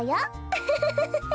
ウフフフフフ。